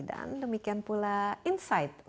dan demikian pula insight untuk menteri keuangan